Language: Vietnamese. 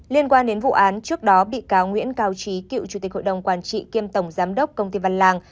liên quan đến vụ án trước đó bị cáo nguyễn cao trí cựu chủ tịch hội đồng quản trị kiêm tổng giám đốc công ty văn lang